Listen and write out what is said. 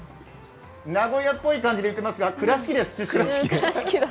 名古屋っぽい感じで言ってますが倉敷です、出身。